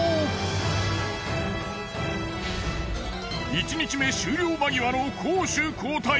１日目終了間際の攻守交代！